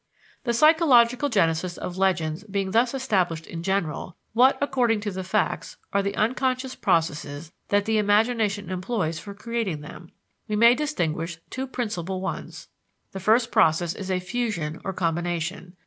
The psychological genesis of legends being thus established in general, what, according to the facts, are the unconscious processes that the imagination employs for creating them? We may distinguish two principal ones. The first process is a fusion or combination.